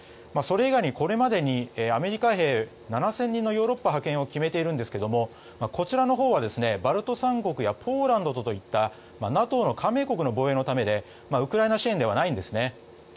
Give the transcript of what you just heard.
それ以外にこれまでにアメリカ兵７０００人のヨーロッパ派遣を決めているんですがこちらのほうはバルト三国やポーランドといったＮＡＴＯの加盟国の防衛のためでウクライナ支援ではないんです。